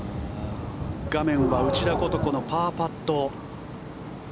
画面は内田ことこのパーパット。